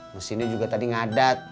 mesinnya juga tadi ngadat